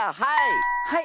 はい！